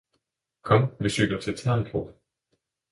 Kom vi cykler ind til Terndrup